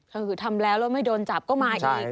ก็คือทำแล้วแล้วไม่โดนจับก็มาอีก